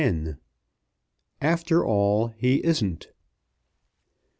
AFTER ALL HE ISN'T.